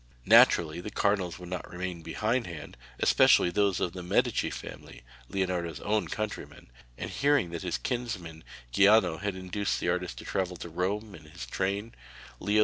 Naturally the cardinals would not remain behindhand, especially those of the Medici family, Leonardo's own countrymen, and hearing that his kinsman Giuliano had induced the artist to travel to Rome in his train, Leo X.